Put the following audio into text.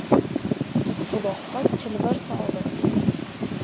Uloqqa chilvir soldi!